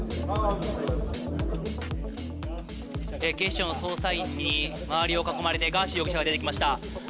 警視庁の捜査員に周りを囲まれてガーシー容疑者が出てきました。